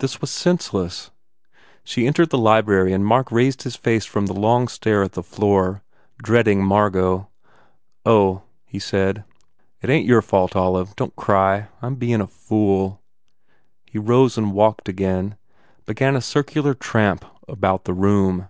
This was senseless. She entered the library and Mark raised his face from the long stare at the floor, dreading Margot. "Oh," he said, "it ain t your fault, Olive. Don t cry. I m bein a fool." He rose and walked again, began a circular tramp about the room.